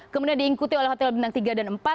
kemudian diikuti oleh hotel bintang tiga dan empat